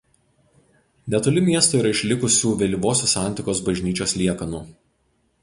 Netoli miesto yra išlikusių vėlyvosios antikos bažnyčios liekanų.